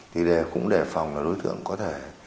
thì cũng để phòng đối tượng có thể